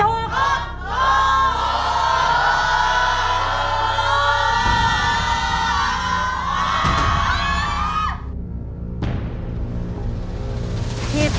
ถูกหรือไม่ถูก